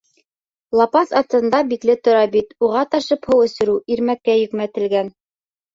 Лапаҫ аҫтында бикле тора бит, уға ташып һыу эсереү Ирмәккә йөкмәтелгән.